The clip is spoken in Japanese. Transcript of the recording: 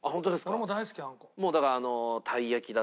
俺も大好きあんこ。